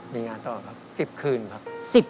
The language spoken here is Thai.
มีงานต่อครับ๑๐คืนครับ